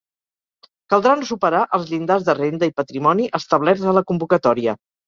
Caldrà no superar els llindars de renda i patrimoni establerts a la convocatòria.